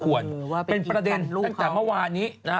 คือว่าไปกรีดการลูกเขาเค้าเลยหรือป่ะเป็นประเด็นจากเมื่อวานี้นะ